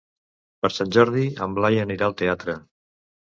Per Sant Jordi en Blai anirà al teatre.